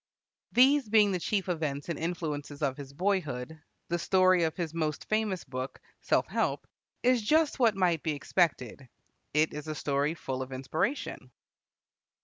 These being the chief events and influences of his boyhood, the story of his most famous book, "Self Help," is just what might be expected. It is a story full of inspiration.